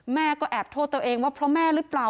แม่ก็แอบโทษตัวเองว่าเพราะแม่หรือเปล่า